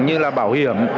như là bảo hiểm